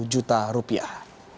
dua puluh juta rupiah